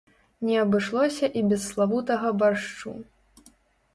Не абышлося і без славутага баршчу.